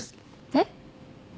えっ？